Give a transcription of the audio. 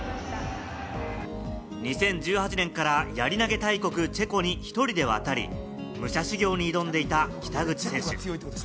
２０１８年から、やり投げ大国チェコに１人で渡り、武者修行に挑んでいた北口選手。